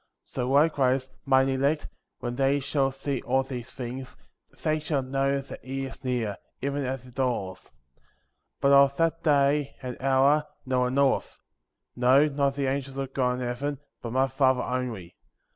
So likewise, mine elect, when they shall see all these things, they shall know that he is near, even at the doors; 40. But of that day, and hour, no one knoweth; no, not the angels of God in heaven, but my Father only.